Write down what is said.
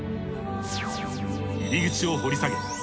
入り口を掘り下げ